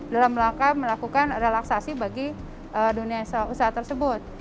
dalam langkah melakukan relaksasi bagi dunia usaha tersebut